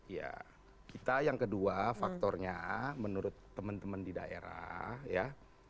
ya kita yang kedua faktornya menurut teman teman di daerah ya